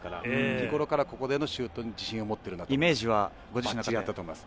日ごろからここでのシュートに自信を持っているんだと思います。